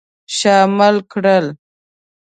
شامل کړل.